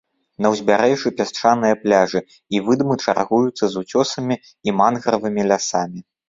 На ўзбярэжжы пясчаныя пляжы і выдмы чаргуюцца з уцёсамі і мангравымі лясамі.